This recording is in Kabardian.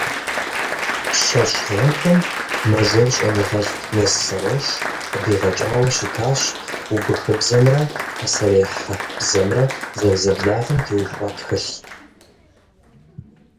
ЩэщӀ гъэхэм мэжэр щӀэныгъэлӀ Мессарош къыдигъэкӀауэ щытащ убыхыбзэмрэ пасэрей хьэт бзэмрэ зэрызэблагъэм теухуа тхылъ.